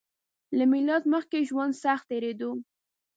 له میلاد مخکې ژوند سخت تېریدو